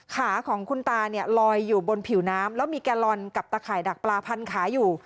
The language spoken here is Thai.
ขาของคุณตาเนี่ยลอยอยู่บนผิวน้ำแล้วมีแกลลอนกับตะข่ายดักปลาพันขาอยู่